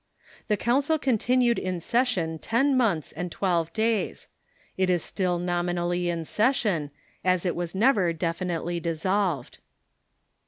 The council continued in session ten months and twelve days. It is still nominally in session, as it was never definitely dissolved.